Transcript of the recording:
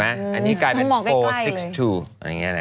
อันนี้กลายเป็น๔๖๒